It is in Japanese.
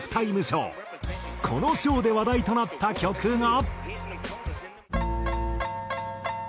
このショーで話題となった曲が。